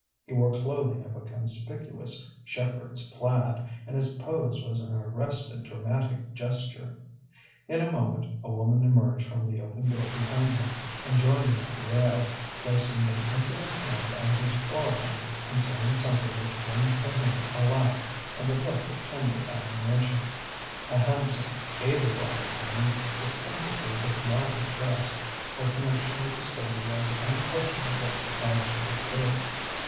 He wore clothing of a conspicuous shepherd's plaid, and his pose was an arrested dramatic gesture. In a moment a woman emerged from the open door behind him and joined him at the rail, placing an intimate hand on his forearm and saying something which won from him a laugh and a look of tender admiration: a handsome, able bodied woman, expensively but loudly dressed, her connection with the stage as unquestionable as was his.